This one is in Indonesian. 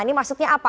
ini maksudnya apa